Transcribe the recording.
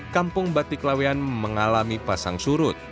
kampung batik lawean mengalami pasang surut